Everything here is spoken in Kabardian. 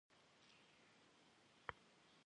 Bjetsım khuatseç'e xeuaş.